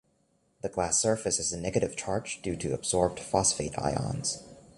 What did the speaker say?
The glass surface has a negative charge due to adsorbed phosphate ions.